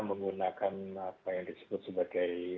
menggunakan apa yang disebut sebagai